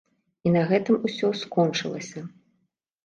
І на гэтым усё скончылася.